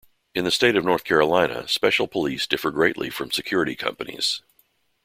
In the state of North Carolina, special police differ greatly from security companies.